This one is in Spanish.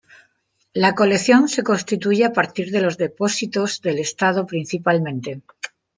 La colección se constituye a partir de depósitos del estado principalmente.